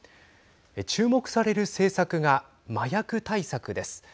注目される政策が麻薬対策です。